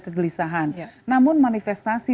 kegelisahan namun manifestasi